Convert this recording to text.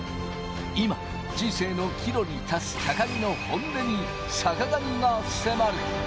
今、人生の岐路に立つ高木の本音に坂上が迫る。